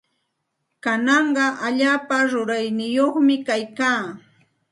Kanaqa allaapa rurayyuqmi kaykaa.